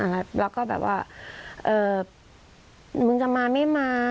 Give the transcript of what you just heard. แล้วก็แบบว่ามึงจะมาไม่มา